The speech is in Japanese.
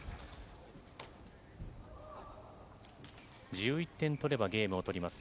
１１点取ればゲームを取ります。